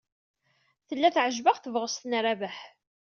Tella teɛjeb-aɣ tebɣest n Rabaḥ.